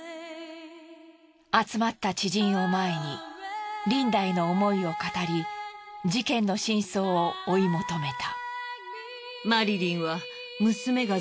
集まった知人を前にリンダへの思いを語り事件の真相を追い求めた。